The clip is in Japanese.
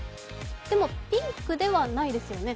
でもピンクではないですよね。